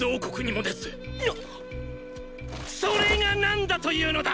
それが何だというのだ！